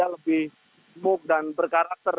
lebih semuk dan berkarakter